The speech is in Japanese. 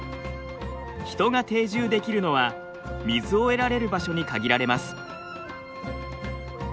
人が定住できるのは水を得られる場所に限られます。